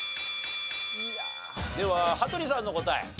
では羽鳥さんの答え。